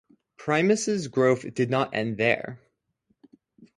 Primus' growth did not end there.